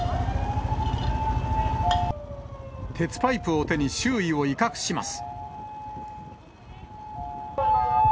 鉄パイプを手に、周囲を威嚇します。